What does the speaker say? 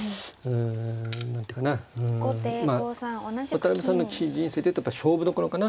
渡辺さんの棋士人生で言うとやっぱ勝負どころかな。